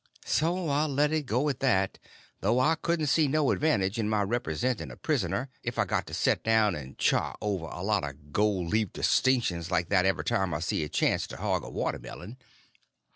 So I let it go at that, though I couldn't see no advantage in my representing a prisoner if I got to set down and chaw over a lot of gold leaf distinctions like that every time I see a chance to hog a watermelon.